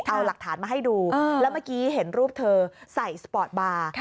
เอาหลักฐานมาให้ดูแล้วเมื่อกี้เห็นรูปเธอใส่สปอร์ตบาร์